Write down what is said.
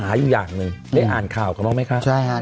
ผ่าอยู่อย่างนึงได้อ่านค่าวครับหรอมั้ยครับ